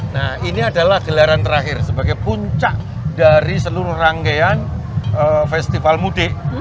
nah ini adalah gelaran terakhir sebagai puncak dari seluruh rangkaian festival mudik